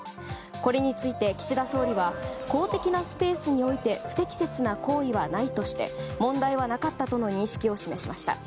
これについて、岸田総理は公的なスペースにおいて不適切な行為はないとして問題はなかったとの認識を示しました。